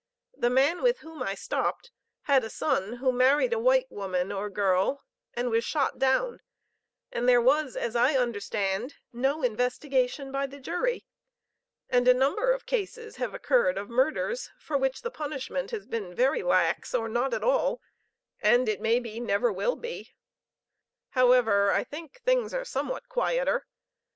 The man with whom I stopped, had a son who married a white woman, or girl, and was shot down, and there was, as I understand, no investigation by the jury; and a number of cases have occurred of murders, for which the punishment has been very lax, or not at all, and, it may be, never will be; however, I rather think things are somewhat quieter.